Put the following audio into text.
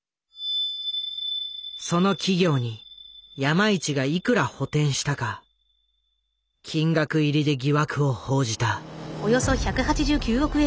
その企業に山一がいくら補てんしたか金額入りで疑惑を報じた。